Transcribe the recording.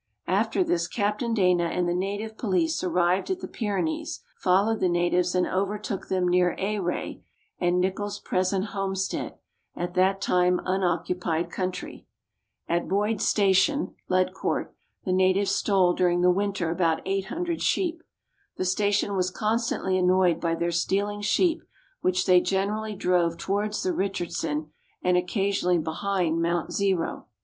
After this Captain Dana and the native police arrived at the Pyrenees, followed the natives, and overtook them near Ayrey and Nicholas present homestead at that time unoccupied country. At Boyd's station (Ledcourt) the natives stole during the winter about 800 sheep. The station was constantly annoyed by their stealing sheep, which they generally drove towards the Richardson, and occasionally behind Mount Zero.